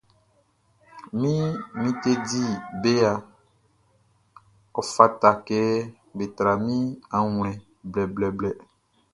Min teddy bearʼn, ɔ fata kɛ be tra min awlɛn blɛblɛblɛ.